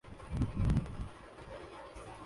پاکستان میں ڈھشوم پر پابندی ورن دھون مایوس